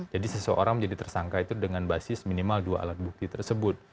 jadi seseorang menjadi tersangka itu dengan basis minimal dua alat bukti tersebut